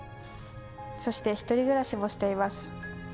そして１人暮らしもしています。